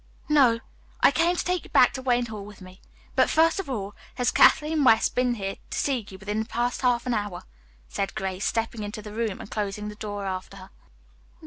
"No; I came to take you back to Wayne Hall with me. But, first of all, has Kathleen West been here to see you within the past half hour?" said Grace, stepping into the room and closing the door after her.